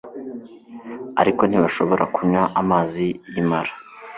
ariko ntibashobora kunywa amazi y i Mara